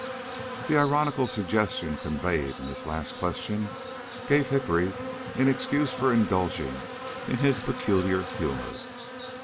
The ironical suggestion conveyed in this last question gave Hickory an excuse for indulging in his peculiar humor.